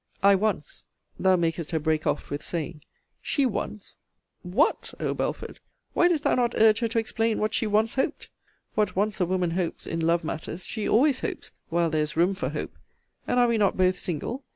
I ONCE! thou makest her break off with saying. She once! What O Belford! why didst thou not urge her to explain what she once hoped? What once a woman hopes, in love matters, she always hopes, while there is room for hope: And are we not both single?